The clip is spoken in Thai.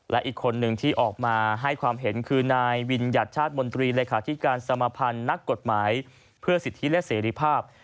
และอีกคนนึงที่ออกมาให้ความเห็นคือนายวิญญัติชาติมนตรีเลขาธิการสมพันธ์นักกฎหมายเพื่อสิทธิและเสรีภาพ